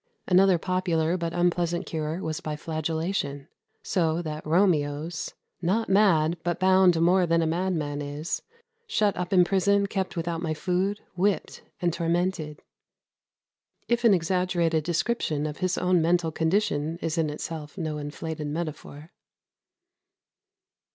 Another popular but unpleasant cure was by flagellation; so that Romeo's "Not mad, but bound more than a madman is, Shut up in prison, kept without my food, Whipped and tormented," if an exaggerated description of his own mental condition is in itself no inflated metaphor.